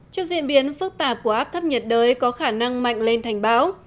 trước diễn biến phức tạp của áp thấp nhiệt đới có khả năng mạnh lên thành bão